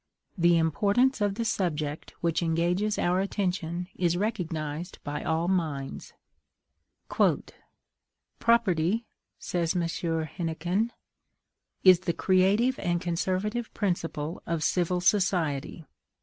The importance of the subject which engages our attention is recognized by all minds. "Property," says M. Hennequin, "is the creative and conservative principle of civil society.